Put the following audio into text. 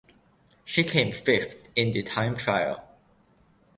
She came fifth in the time trial.